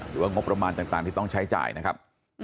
หรือว่างบประมาณต่างที่ต้องใช้จ่ายนะครับ